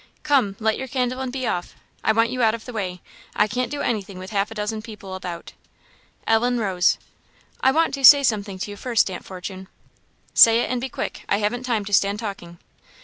"Come, light your candle and be off I want you out of the way; I can't do anything with half a dozen people about." Ellen rose. "I want to say something to you first, Aunt Fortune." "Say it, and be quick; I haven't time to stand talking."